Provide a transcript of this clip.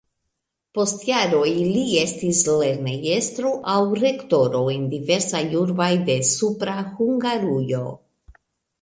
Post jaroj li estis lernejestro aŭ rektoro en diversaj urboj de Supra Hungarujo.